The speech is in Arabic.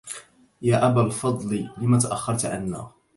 يا أبا الفضل لم تأخرت عنا